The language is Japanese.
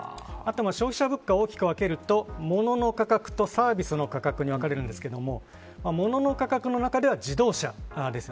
あと消費者物価、大きく分けると物の価格とサービスの価格に分かれるんですが物の価格の中では自動車なんです。